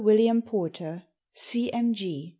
WILLIAM PORTER, C.M.G.